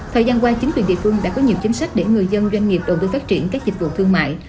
thời gian qua chính quyền địa phương đã có nhiều chính sách để người dân doanh nghiệp đầu tư phát triển các dịch vụ thương mại